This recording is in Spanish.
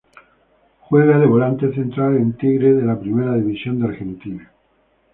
Juega de volante central en Tigre de la Primera División de Argentina.